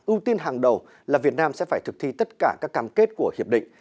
ưu tiên hàng đầu là việt nam sẽ phải thực thi tất cả các cam kết của hiệp định